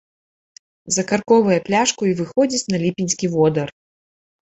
Закаркоўвае пляшку й выходзіць на ліпеньскі водар.